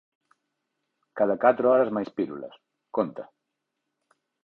"Cada catro horas máis pílulas", conta.